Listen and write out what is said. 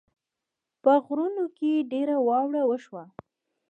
په غرونو ډېره واوره وشوه